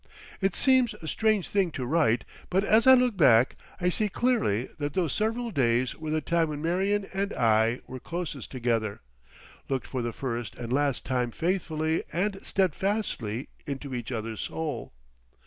It seems a strange thing to write, but as I look back, I see clearly that those several days were the time when Marion and I were closest together, looked for the first and last time faithfully and steadfastly into each other's soul.